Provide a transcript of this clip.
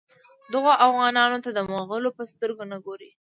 دغو اوغانانو ته د مغولو په سترګه نه ګوري.